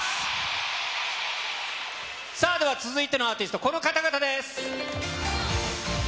では、続いてのアーティスト、この方々です。